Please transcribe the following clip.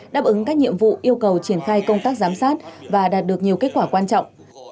đáp ứng các nhiệm vụ yêu cầu triển khai công tác giám sát và đạt được nhiều kết quả quan trọng